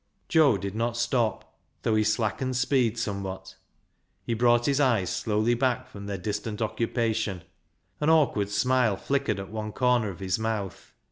Joe did not stop, though he slackened speed somewhat. He brought his eyes slowly back from their distant occupation ; an awkward smile flickered at one corner of his mouth.